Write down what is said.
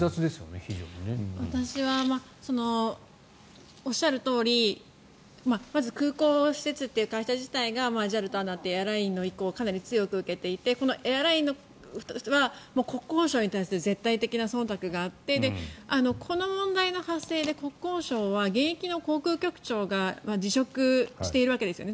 私はおっしゃるとおりまず、空港施設という会社自体がＪＡＬとＡＮＡっていうエアラインの意向をかなり強く受けていてエアラインとしては国交省に対する絶対的なそんたくがあってこの問題が発生して国交省は現役の航空局長が辞職しているわけですよね。